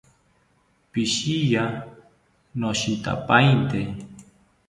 Pishiya, noshitapainte